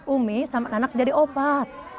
umi sama anak jadi obat